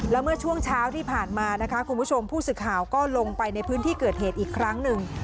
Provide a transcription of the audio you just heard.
แล้วเมื่อช่วงเช้าที่ผ่านมานะคะคุณผู้ชมผู้สื่อข่าวก็ลงไปในพื้นที่เกิดเหตุอีกครั้งหนึ่ง